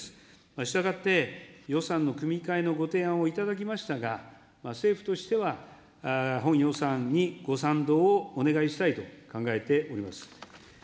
したがって予算の組み替えのご提案をいただきましたが、政府としては本予算にご賛同をお願いしたいと考えております。